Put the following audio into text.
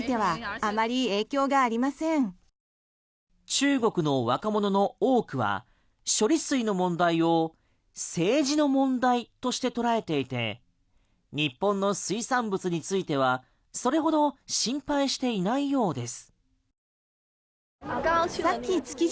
中国の若者の多くは処理水の問題を政治の問題として捉えていて日本の水産物についてはそれほど心配していないようです。